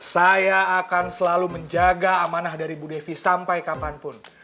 saya akan selalu menjaga amanah dari bu devi sampai kapanpun